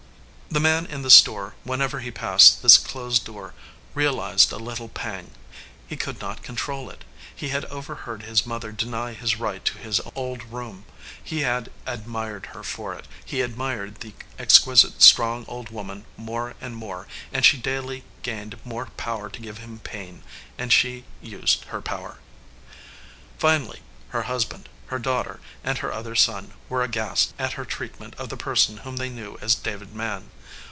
The man in the store, whenever he passed this closed door, realized a little pang. He could not control it. He had overheard his mother deny his right to his old room. He had admired her for it. He admired the exquisite, strong old woman more and more, and she daily gained more power to give him pain, and she used her power. Finally her husband, her daughter, and her other son were aghast at her treatment of the person whom they knew as David Mann.